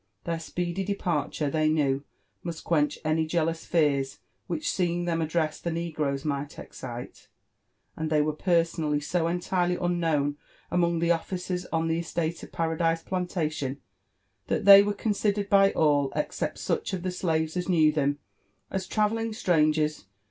Their speedy departure, they luiew,. must qiieo^ch any jealous fears which seeing them address the •Ogpoes ni^ht excite ; and tbey were personally so entirely uakno\^ui among iheodicerson the estate of Paradise Plantation, thai tliey were ciKisiderodby all, except sucli of the slaves as knew them, as travelling slcaegers.